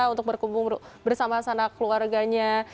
untuk berkumpul bersama anak anak keluarganya